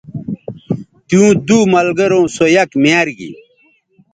تیوں دو ملگروں سو یک میار گی